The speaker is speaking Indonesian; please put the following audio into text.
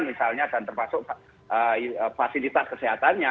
misalnya dan termasuk fasilitas kesehatannya